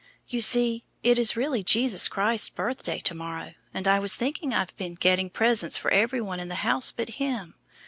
You see it is really Jesus Christ's birthday to morrow, and I was thinking I've been getting presents for every one in the house but Him.